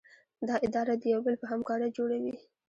دا اداره د یو بل په همکارۍ جوړه وي.